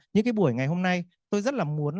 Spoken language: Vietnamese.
những cái buổi ngày hôm nay tôi rất là muốn